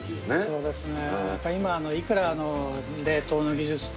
そうですね